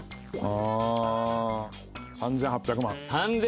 うん。３８００万。